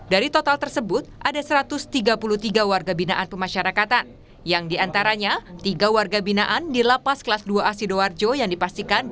dari total tersebut ada satu ratus tiga puluh tiga warga binaan pemasyarakatan yang diantaranya tiga warga binaan di lapas kelas dua a sidoarjo yang dipastikan